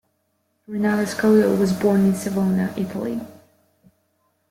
Renata Scotto was born in Savona, Italy.